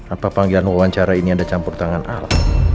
apa panggilan wawancara ini ada campur tangan alat